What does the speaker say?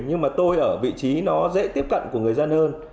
nhưng mà tôi ở vị trí nó dễ tiếp cận của người dân hơn